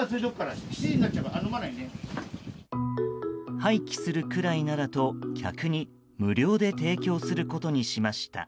廃棄するくらいならと客に無料で提供することにしました。